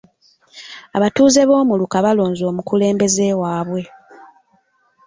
Abatuuze b'omuluka baalonze omukulembeze waabwe.